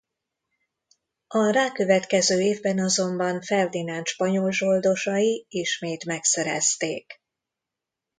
A rákövetkező évben azonban Ferdinánd spanyol zsoldosai ismét megszerezték.